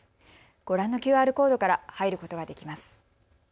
ご覧のＱＲコードから入ることができます。